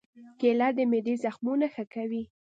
کېله د معدې زخمونه ښه کوي.